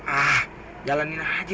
ah jalanin aja